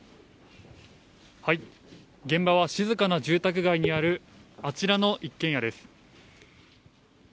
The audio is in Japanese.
現場は静かな住宅街にあるあちらの一軒家です。